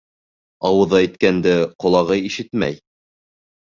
Ауыҙы әйткәнде ҡолағы ишетмәй.